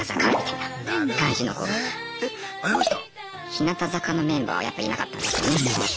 日向坂のメンバーはやっぱいなかったですよね。